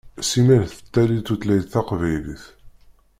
Simmal tettali tutlayt taqbaylit.